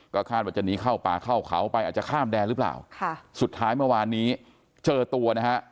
ก็คาดว่าจะหนีเข้าป่าเข้าเขาไปอาจจะข้ามแดนหรือเปล่าค่ะสุดท้ายเมื่อวานนี้เจอตัวนะฮะ